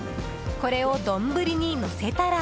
これを丼にのせたら。